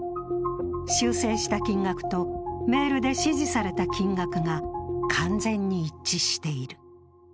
修正した金額とメールで指示された金額が完全に一致している。